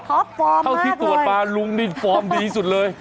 ครอบฟอร์มมากเลยเท่าที่ตรวจมาลุงนี่ฟอร์มดีสุดเลย